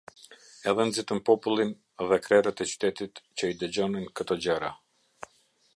Edhe nxitën popullin dhe krerët e qytetit, që i dëgjonin këto gjëra.